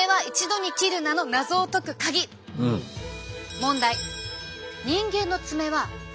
問題！